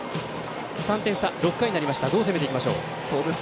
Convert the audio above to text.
３点差６回になりましたどう攻めていきますか？